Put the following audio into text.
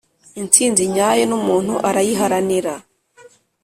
intsinzi nyayo numuntu arayiharanira